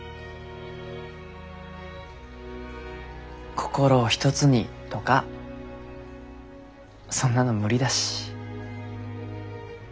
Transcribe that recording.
心を一つにとかそんなの無理だし。